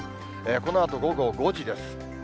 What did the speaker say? このあと午後５時です。